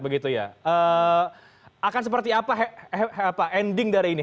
akan seperti apa ending dari ini